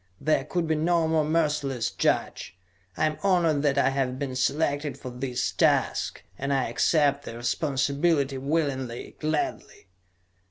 There could be no more merciless judge. I am honored that I have been selected for this task, and I accept the responsibility willingly, gladly.